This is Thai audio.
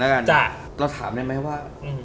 เราถามได้มั้ยว่า